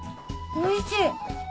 おいしい。